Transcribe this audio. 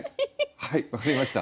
はい分かりました。